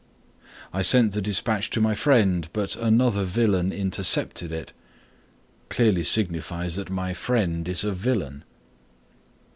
"I sent the despatch to my friend, but another villain intercepted it," clearly signifies that my friend is a villain.